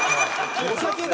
お酒だけ？